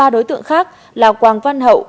ba đối tượng khác là quang văn hậu